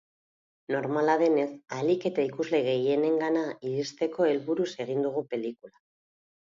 Normala denez, ahalik eta ikusle gehienengana iristeko helburuz egin dugu pelikula.